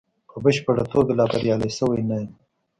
په بشپړه توګه لا بریالی شوی نه یم.